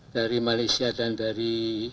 dari malaysia dan dari